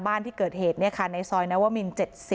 บ้านที่เกิดเหตุในซอยนวมิน๗๐